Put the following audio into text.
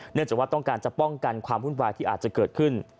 เนื่องจากว่าต้องการจะป้องกันความวุ่นวายที่อาจจะเกิดขึ้น